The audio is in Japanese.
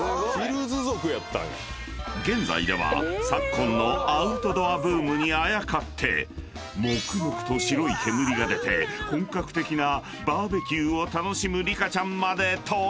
［現在では昨今のアウトドアブームにあやかってもくもくと白い煙が出て本格的なバーベキューを楽しむリカちゃんまで登場！］